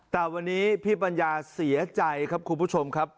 แต่วันนี้พี่ปัญญาเสียใจครับคุณผู้ชมครับ